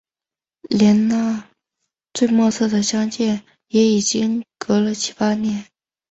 连那最末次的相见也已经隔了七八年